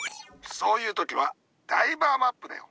そういう時はダイバーマップだよ。